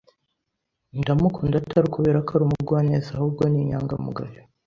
Ndamukunda atari ukubera ko ari umugwaneza ahubwo ni inyangamugayo.